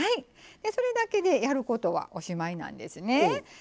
それだけでやることはおしまいなんですね。